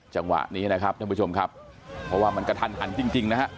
จังหวะนี้นะครับท่านผู้ชมครับเพราะว่ามันกระทันหันจริงจริงนะฮะ